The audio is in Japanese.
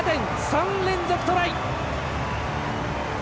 ３連続トライ！